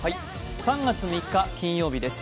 ３月３日、金曜日です。